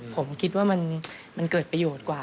ผมคิดว่ามันเกิดประโยชน์กว่า